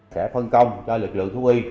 sẽ phân công cho lực lượng thu y